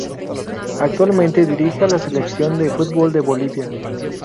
Actualmente dirige a la Selección de fútbol de Bolivia.